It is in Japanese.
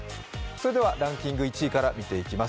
ランキング１位から見ていきます。